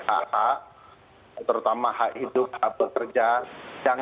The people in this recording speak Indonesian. oleh masyarakat yang merasa keberatan dengan ru ini mungkin ada sedikit imbauan untuk mereka silakan bang